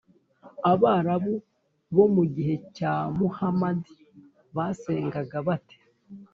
abarabu bo mu gihe cya muhamadi basengaga bate?